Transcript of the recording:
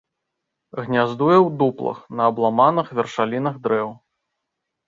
Гняздуе ў дуплах, на абламаных вяршалінах дрэў.